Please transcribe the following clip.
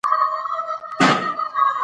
افغانستان کې نفت د هنر په اثار کې منعکس کېږي.